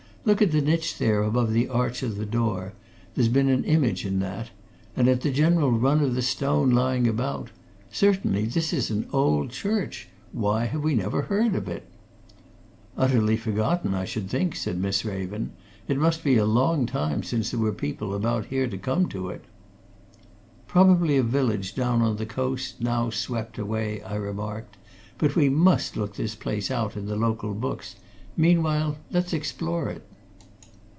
Look at the niche there above the arch of the door there's been an image in that and at the general run of the stone lying about. Certainly this is an old church! Why have we never heard of it?" "Utterly forgotten, I should think," said Miss Raven. "It must be a long time since there were people about here to come to it." "Probably a village down on the coast now swept away," I remarked. "But we must look this place out in the local books. Meanwhile let's explore it."